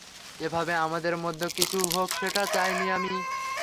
এভাবে আমাদের মধ্যে কিছু হোক সেটা চাইনি!